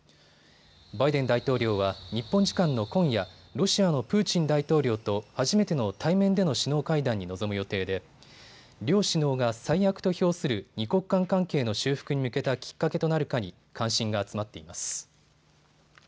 バイデン大統領は日本時間の今夜、ロシアのプーチン大統領と初めての対面での首脳会談に臨む予定で両首脳が最悪と評する２国間関係の修復に向けたきっかけとなるかに関心が集まっています。